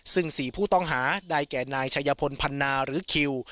ซึ่ง๔ผู้ต้องหาได้แก่นายชัยพลพันนาหรือคิว